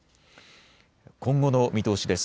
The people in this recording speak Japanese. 今後の見通しです。